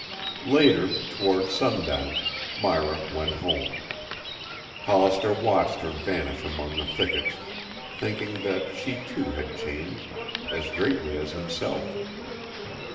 Later, towards sundown, Myra went home. Hollister watched her vanish among the thickets, thinking that she too had changed, as greatly as himself.